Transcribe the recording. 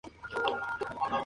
Woodville murió sin hijos.